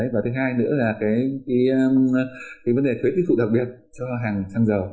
và thứ hai nữa là vấn đề thuế tiêu thụ đặc biệt cho hàng xăng dầu